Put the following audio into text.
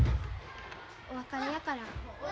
お別れやから。